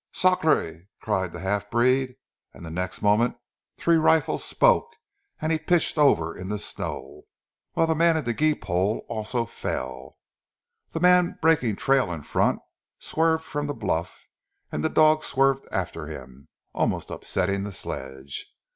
"Sacree!" cried the half breed, and the next moment three rifles spoke, and he pitched over in the snow, whilst the man at the gee pole also fell. The man breaking the trail in front, swerved from the bluff, and the dogs swerved after him, almost upsetting the sledge.